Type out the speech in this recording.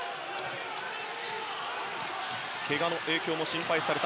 けがの影響も心配された。